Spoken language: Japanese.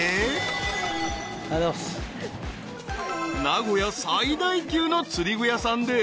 ［名古屋最大級の釣具屋さんで］